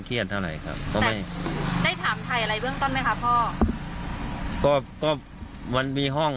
ข่าวที่ออกไปพ่อเชื่อแบบนั้นไหมคะว่าน้องทำจริง